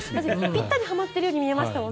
ぴったりはまっているように見えましたね。